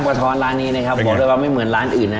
บอกได้ว่าไม่เหมือนร้านอื่นมาก